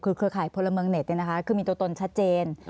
คือเครือข่ายพลเมืองเน็ตคือมีตัวตนชัดเจน